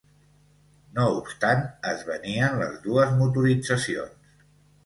No obstant es venien les dues motoritzacions.